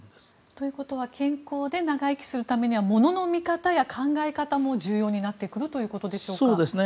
ということは健康で長生きするためにはものの見方や考え方も重要になってくということでしょうか。